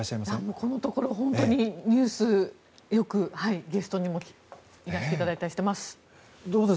このところ本当にニュースよくゲストにもいらしていただいたりしてます。